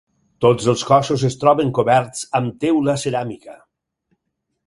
Tots els cossos es troben coberts amb teula ceràmica.